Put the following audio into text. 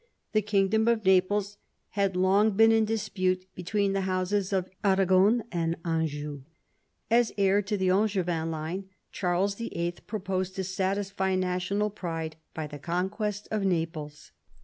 The kingdom o£ Naples had long been in dispute between the houses of Arragon and Anjou. As heir to the Angevin line, Charles VIIL proposed to satisfy national pride by the conquest of Naples.